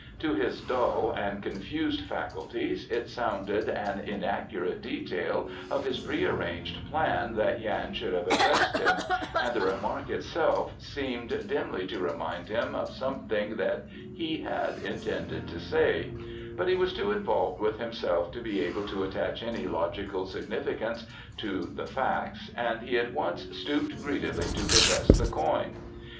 To his dull and confused faculties it sounded an inaccurate detail of his pre arranged plan that Yan should have addressed him, and the remark itself seemed dimly to remind him of something that he had intended to say, but he was too involved with himself to be able to attach any logical significance to the facts and he at once stooped greedily to possess the coin.